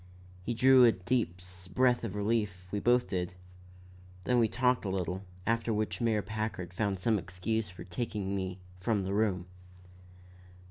He drew a deep breath of relief; we both did; then we talked a little, after which Mayor Packard found some excuse for taking me from the room.